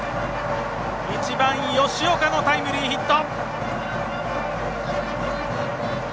１番、吉岡のタイムリーヒット。